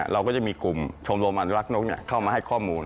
เราก็จะมีกลุ่มชมรมอนุรักษ์นกเข้ามาให้ข้อมูล